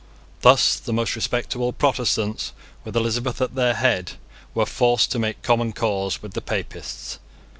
Thus the most respectable Protestants, with Elizabeth at their head, were forced to make common cause with the Papists.